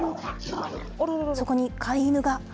そこに飼い犬が。